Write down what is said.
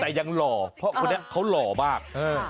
แต่ยังหล่อเพราะคนนี้เขาหล่อมาก